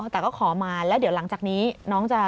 แต่ก็ขอมาแล้วเดี๋ยวหลังจากนี้น้องจะ